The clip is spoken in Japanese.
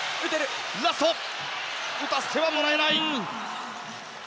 打たせてはもらえない。